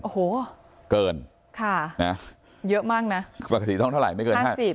โอ้โหเกินค่ะนะเยอะมากนะปกติต้องเท่าไหร่ไม่เกิน๕๐